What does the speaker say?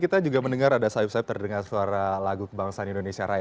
saya juga mendengar ada sayap sayap terdengar suara lagu kebangsaan indonesia raya